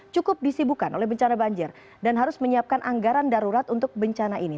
cukup disibukan oleh bencana banjir dan harus menyiapkan anggaran darurat untuk bencana ini